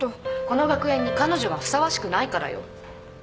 この学園に彼女がふさわしくないからよ。